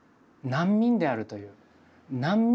「難」「民」であるという。